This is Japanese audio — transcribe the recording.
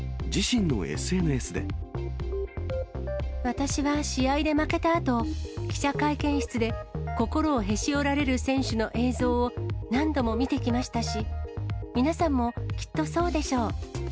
私は試合で負けたあと、記者会見室で心をへし折られる選手の映像を何度も見てきましたし、皆さんもきっとそうでしょう。